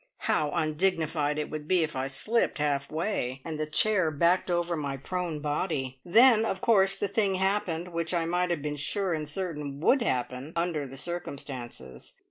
How undignified it would be if I slipped half way, and the chair backed over my prone body! Then, of course, the thing happened which I might have been sure and certain would happen under the circumstances.